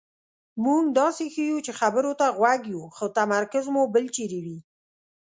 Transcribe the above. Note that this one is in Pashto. مونږ داسې ښیو چې خبرو ته غوږ یو خو تمرکز مو بل چېرې وي.